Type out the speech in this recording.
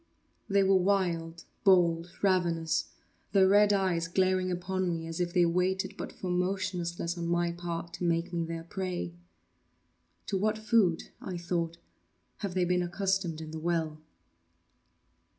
They were wild, bold, ravenous—their red eyes glaring upon me as if they waited but for motionlessness on my part to make me their prey. “To what food,” I thought, “have they been accustomed in the well?